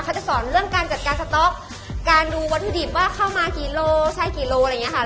จะสอนเรื่องการจัดการสต๊อกการดูวัตถุดิบว่าเข้ามากี่โลใช่กี่โลอะไรอย่างนี้ค่ะ